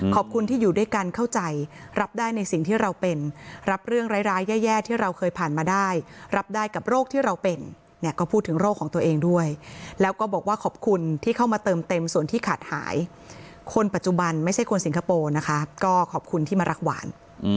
ขอบคุณที่อยู่ด้วยกันเข้าใจรับได้ในสิ่งที่เราเป็นรับเรื่องร้ายแย่ที่เราเคยผ่านมาได้รับได้กับโรคที่เราเป็นเนี่ยก็พูดถึงโรคของตัวเองด้วยแล้วก็บอกว่าขอบคุณที่เข้ามาเติมเต็มส่วนที่ขาดหายคนปัจจุบันไม่ใช่คนสิงคโปร์นะคะก็ขอบคุณที่มารักหวาน